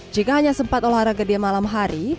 jika hanya sempat olahraga di malam hari